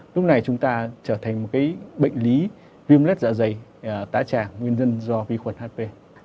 ngày chúng ta trở thành một cái bệnh lý viêm lết dạ dày tá tràng nguyên dân do vi khuẩn hp